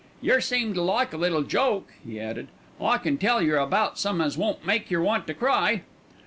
"Yer seem to like a little joke," he added. "I can tell yer about some as won't make yer want to cry."